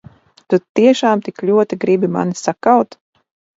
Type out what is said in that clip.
Tu tiešām tik ļoti gribi mani sakaut?